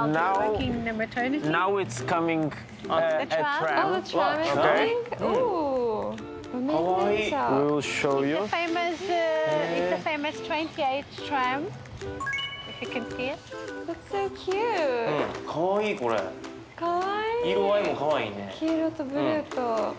黄色とブルーと。